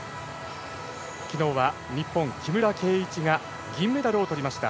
昨日は、日本木村敬一が銀メダルをとりました。